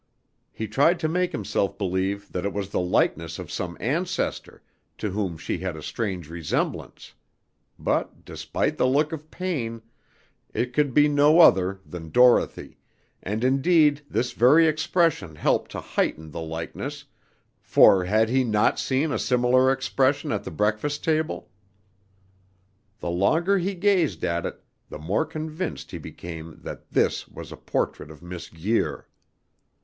He tried to make himself believe that it was the likeness of some ancestor, to whom she had a strange resemblance; but, despite the look of pain, it could be no other than Dorothy, and indeed this very expression helped to heighten the likeness, for had he not seen a similar expression at the breakfast table? The longer he gazed at it, the more convinced he became that this was a portrait of Miss Guir.